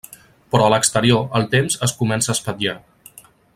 Però a l'exterior el temps es comença a espatllar.